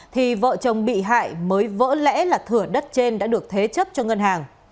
thì vợ chồng bị hại mới vỡ lẽ là thửa đất trên đã được thế chấp cho ngân hàng